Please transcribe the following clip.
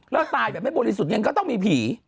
แล้วตายแบบไม่บริสุทธิ์ยังก็ต้องมีผี